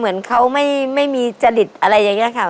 มีเตารีดนะครับแล้วมีตะก้าผ้าให้อยู่ข้างข้างนะครับ